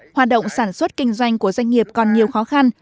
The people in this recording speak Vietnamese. hoạt động sản xuất kinh doanh của doanh nghiệp còn nhiều khó khăn